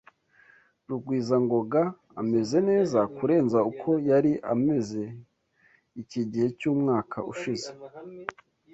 Rugwizangoga ameze neza kurenza uko yari ameze iki gihe cyumwaka ushize.